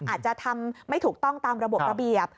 อาจจะทำไม่ถูกต้องตามระบบระเบียบ